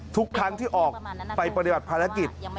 ทุกครั้งที่ออกไปปฏิบัติภารกิจ